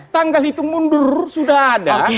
tanggal hitung mundur sudah ada